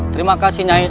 terima kasih nyai